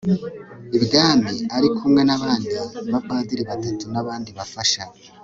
ibwami ari kumwe n abandi bapadiri batatu n abandi bafasha